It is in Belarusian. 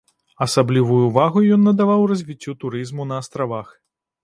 Асаблівую ўвагу ён надаваў развіццю турызму на астравах.